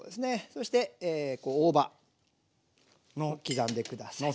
そして大葉も刻んで下さい。